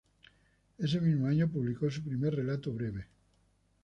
Ese mismo año publicó su primer relato breve.